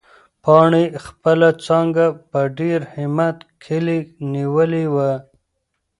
پاڼې خپله څانګه په ډېر همت کلي نیولې وه.